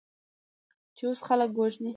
چې اوس خلک وژنې؟